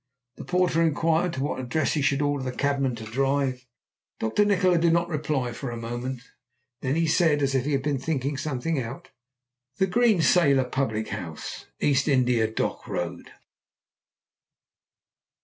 The porter inquired to what address he should order the cabman to drive. Dr. Nikola did not reply for a moment, then he said, as if he had been thinking something out: "The Green Sailor public house, East India Dock Road."